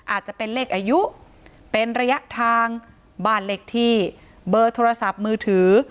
อาจจะเป็นเลขอายุเป็นระยะทางบ้านเลขที่เบอร์โทรศัพท์มือถือ